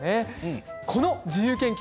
この自由研究